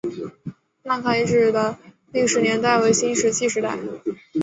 纳卡遗址的历史年代为新石器时代。